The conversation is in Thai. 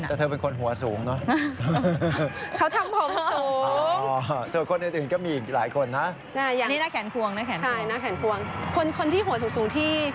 แถวเป็นคนหัวสูงเนอะเขาทำผงสูง